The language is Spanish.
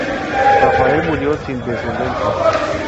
Rafael murió sin descendencia.